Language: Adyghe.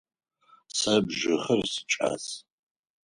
Сэ бжыхьэр сикӏас.